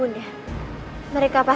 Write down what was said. dan setelah itu